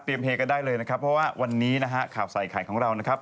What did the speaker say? เตรียมเฮกก็ได้เลยนะครับว่าวันนี้นะฮะข่าวใส่ข่ายของเรานะครับ